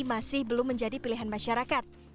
masih belum menjadi pilihan masyarakat